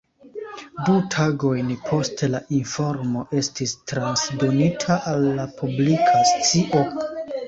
Du tagojn poste la informo estis transdonita al la publika scio.